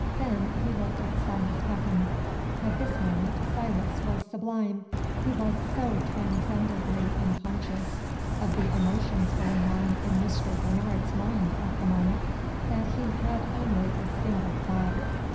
Then he looked at Silas Peckham. At this moment Silas was sublime. He was so transcendently unconscious of the emotions going on in Mr. Bernard's mind at the moment, that he had only a single thought.